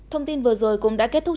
thông tin vừa rồi cũng đã kết thúc